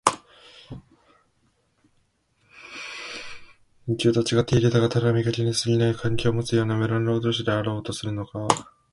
城とのあいだにともかくもほかの連中とはちがってはいるがただ見かけだけにすぎない関係をもつような村の労働者であろうとするのか、